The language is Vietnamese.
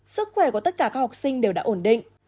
sức khỏe của tất cả các học sinh đều đã ổn định